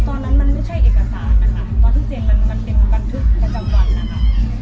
ตอนนั้นมันไม่ใช่เอกสารนะคะตอนที่เซ็นมันเป็นบันทึกประจำวันนะคะ